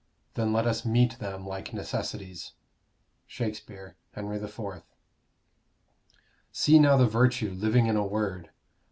Then let us meet them like necessities. SHAKESPEARE: Henry IV. See now the virtue living in a word!